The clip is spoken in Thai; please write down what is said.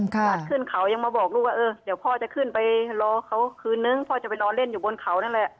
ขนาดขึ้นเขายังมาบอกลูกว่าเออเดี๋ยวพ่อจะขึ้นไปรอเขาคืนนึงพ่อจะไปนอนเล่นอยู่บนเขานั่นแหละ